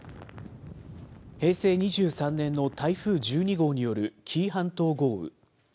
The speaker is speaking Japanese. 平成２３年の台風１２号による紀伊半島豪雨。